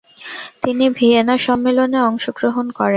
তিনি ভিয়েনা সম্মেলনে অংশগ্রহণ করেন।